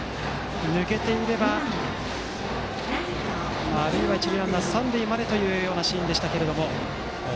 抜けていれば、一塁ランナーが三塁までというシーンでしたけれども。